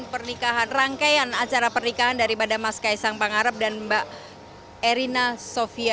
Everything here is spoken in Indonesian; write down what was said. pernikahan rangkaian acara pernikahan daripada mas kaisang pangarep dan mbak erina sofia